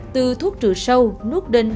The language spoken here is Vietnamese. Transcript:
từ thuốc trừ sâu nuốt đinh